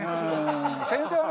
先生はね